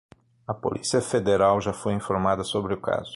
A polícia federal já foi informada sobre o caso